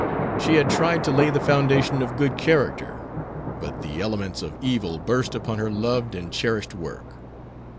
She had tried to lay the foundation of good character. But the elements of evil burst upon her loved and cherished work.